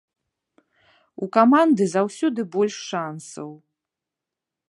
У каманды заўсёды больш шансаў.